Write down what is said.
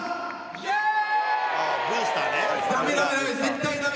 イエーイ！